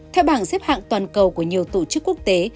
theo bảng xếp hạng toàn cầu của nhiều tổ chức quốc tế